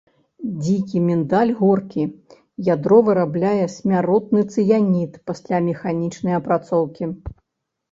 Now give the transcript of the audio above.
Дзікі міндаль горкі, ядро вырабляе смяротны цыянід пасля механічнай апрацоўкі.